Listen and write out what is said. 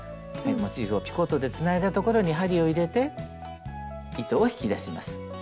モチーフをピコットでつないだ所に針を入れて糸を引き出します。